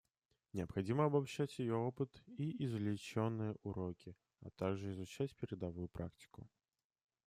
Необходимо обобщать ее опыт и извлеченные уроки, а также изучать передовую практику.